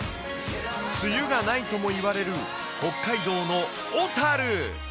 梅雨がないともいわれる北海道の小樽。